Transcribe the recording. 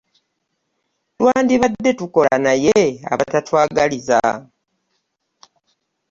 Twandibadde tukola naye abatatwagaliza!!